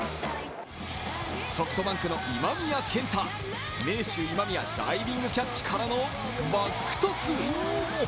ソフトバンクの今宮健太名手・今宮、ダイビングキャッチからのバックトス。